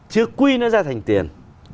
chưa quy nó ra thành tiền